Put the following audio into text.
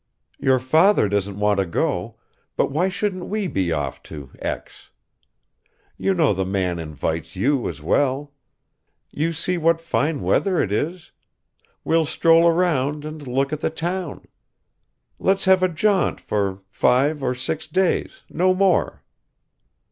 Your father doesn't want to go, but why shouldn't we be off to X? You know the man invites you as well. You see what fine weather it is; we'll stroll around and look at the town. Let's have a jaunt for five or six days, no more.